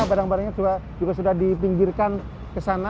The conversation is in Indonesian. badang badangnya juga sudah dipinggirkan ke sana